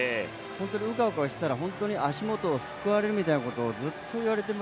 うかうかしていたら足元をすくわれるとずっと言われてて。